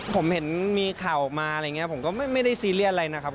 ผมเห็นมีข่าวออกมาอะไรอย่างนี้ผมก็ไม่ได้ซีเรียสอะไรนะครับ